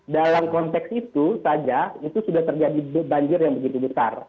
dalam konteks itu saja itu sudah terjadi banjir yang begitu besar